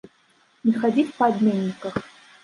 Не хадзіць па абменніках!